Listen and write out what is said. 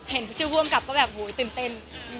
ก็เห็นชื่อผู้กำกับก็แบบตื่นเต้น